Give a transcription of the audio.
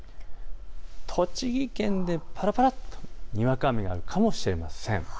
栃木県でぱらぱらとにわか雨があるかもしれません。